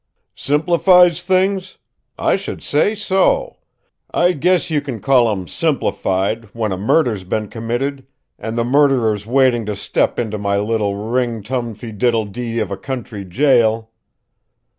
"'Simplifies things?' I should say so! I guess you can call 'em 'simplified' when a murder's been committed and the murderer's waiting to step into my little ring tum fi diddle dee of a country jail!